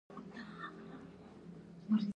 اکسفام نابرابرۍ رتبه کې نیوکې مني.